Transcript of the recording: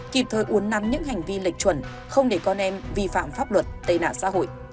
kịp thời uốn nắn những hành vi lệch chuẩn không để con em vi phạm pháp luật tệ nạn xã hội